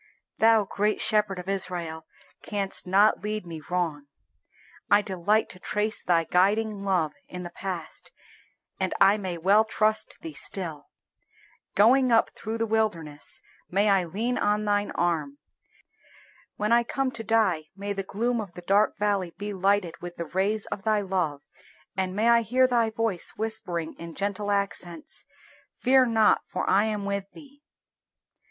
Thou, Great Shepherd of Israel, canst not lead me wrong. I delight to trace Thy guiding love in the past, and I may well trust Thee still; going up through the wilderness may I lean on Thine arm; when I come to die may the gloom of the dark valley be lighted with the rays of Thy love, and may I hear Thy voice whispering in gentle accents, "Fear not, for I am with thee."